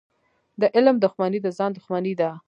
د علم دښمني د ځان دښمني ده.